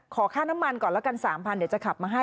ขอค่าน้ำมันก่อนแล้วกัน๓๐๐เดี๋ยวจะขับมาให้